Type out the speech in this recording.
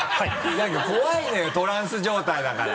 何か怖いのよトランス状態だから。